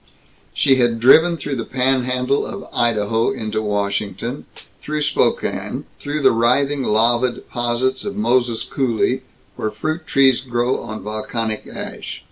She had driven through the panhandle of Idaho into Washington, through Spokane, through the writhing lava deposits of Moses Coulee where fruit trees grow on volcanic ash.